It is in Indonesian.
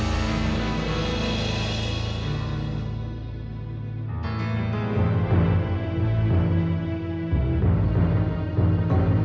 nanti pak togan